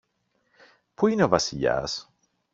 Πού είναι ο Βασιλιάς;